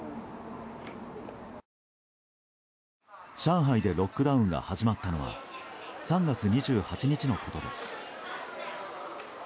上海でロックダウンが始まったのは３月２８日のことです。